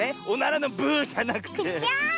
おならのブーじゃなくて。